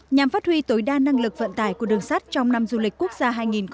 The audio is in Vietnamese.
nhằm phát huy tối đa năng lực vận tải của đường sắt trong năm du lịch quốc gia hai nghìn hai mươi bốn